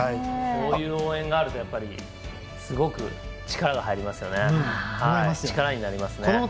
こういう応援があるとすごく力になりますね。